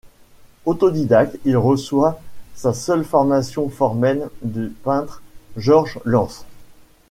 Autodidacte, il reçoit sa seule formation formelle du peintre George Lance.